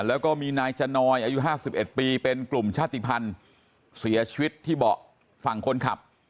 แล้วก็มีนายจนอยอายุ๕๑ปีเป็นกลุ่มชาติภัณฑ์เสียชีวิตที่เบาะฝั่งคนขับ